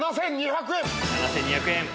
７２００円。